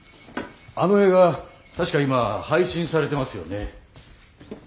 あの映画確か今配信されてますよね。